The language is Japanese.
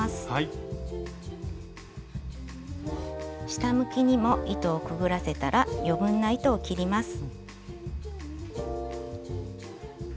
下向きにも糸をくぐらせたら余分な糸を切ります。